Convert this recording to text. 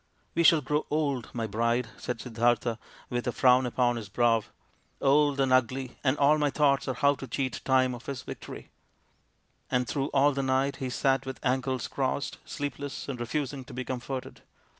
" We shall grow old, my bride," said Siddartha, with a frown upon his brow, " old and ugly and all my thoughts are how to cheat Time of his victory." And through all the night he sat with ankles crossed, sleepless and refusing to be comforted.